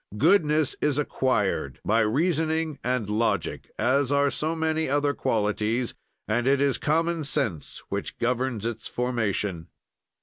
"Goodness is acquired by reasoning and logic, as are so many other qualities, and it is common sense which governs its formation.